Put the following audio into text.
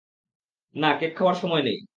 না, কেক খাওয়ার সময় নেই।